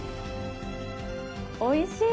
おいしい！